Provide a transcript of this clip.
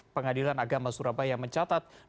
pengadilan agama surabaya mencatat